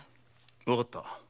わかった。